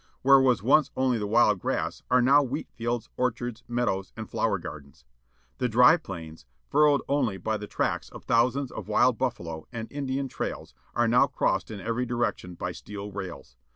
Where was once only the wild grass, are now wheat fields, orchards, meadows, and flower gardens. The dry plains, furrowed only by the tracks of thousands of wild buffalo, and Indian trails, are now crossed in every direction by steel rails.